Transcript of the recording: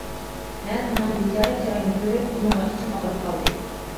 مەن ئۇنىڭ بىچارە چىرايىنى كۆرۈپ، ئۇنىڭغا ئىچىم ئاغرىپ قالدى.